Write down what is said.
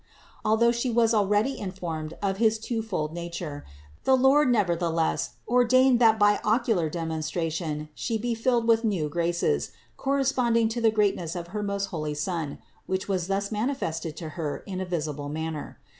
Although She was already informed of his two fold nature, the Lord nevertheless ordained that by ocular demonstration ghe be filled with new graces, corresponding to the greatness of her most holy Son, which was thus manifested to Her in a visible man ner.